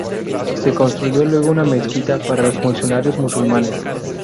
Se construyó luego una mezquita para los funcionarios musulmanes.